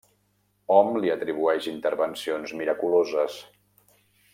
Hom li atribueix intervencions miraculoses.